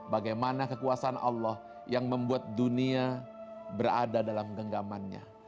bagaimana kekuasaan allah yang membuat dunia berada dalam genggamannya